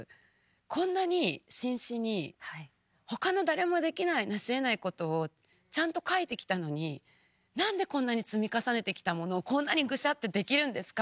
こんなに真摯に他の誰もできないなしえないことをちゃんと書いてきたのに何でこんなに積み重ねてきたものをこんなにグシャッてできるんですか？